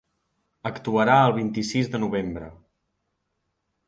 Actuarà el vint-i-sis de novembre.